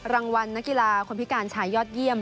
รางวัลนักกีฬาคนพิการชายยอดเยี่ยม